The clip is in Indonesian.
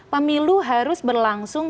pemilu harus berlangsung